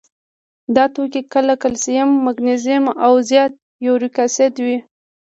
دا توکي کله کلسیم، مګنیزیم او زیات یوریک اسید وي.